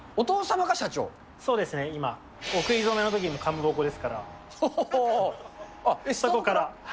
そうですね、今、お食い初めのときもかまぼこですから。